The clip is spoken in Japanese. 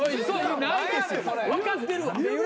分かってるわ。